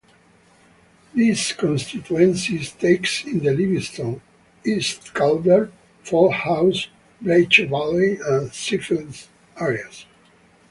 This constituency takes in the Livingston, East Calder, Fauldhouse, Breich Valley, and Seafield areas.